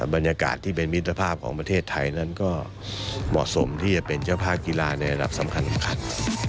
บรรยากาศที่เป็นมิตรภาพของประเทศไทยนั้นก็เหมาะสมที่จะเป็นเจ้าภาพกีฬาในระดับสำคัญ